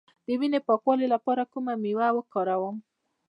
د وینې د پاکوالي لپاره کومه میوه وکاروم؟